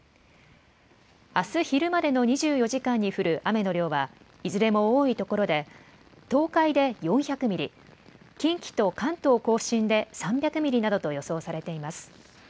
あす昼までの２４時間に降る雨の量は、いずれも多い所で、東海で４００ミリ、近畿と関東甲信で３００ミリなどと予想されています。